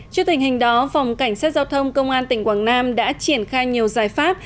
trước tình hình đó phòng cảnh sát giao thông công an tỉnh quảng nam đã triển khai nhiều giải pháp